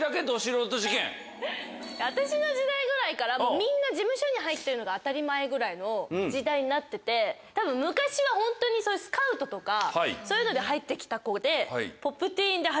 私の時代ぐらいからみんな事務所に入ってるのが当たり前ぐらいの時代になってて。とかそういうので入って来た子で。